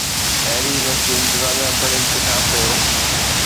ايري university انتظاميا پڻ انڪشاف ڪيو